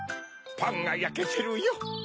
パンがやけてるよ。